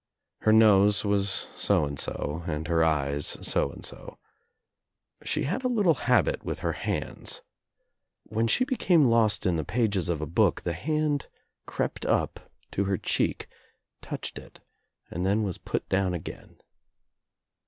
Her nose was so and so and her eyes so and so. She had a little habit with her hands. When she became lost in the pages of a book the hand crept up to her cheek, I THE DOOR OF THE TRAP 119 touched it and then was put down again.